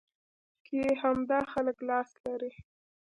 کې همدا خلک لاس لري.